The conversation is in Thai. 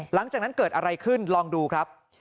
หลังจากนั้นเกิดอะไรขึ้นลองดูครับ